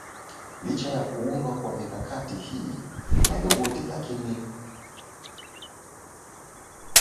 licha ya kuundwa kwa mikakati hii madhubuti lakini kumekuwepo na changamoto mbalimbali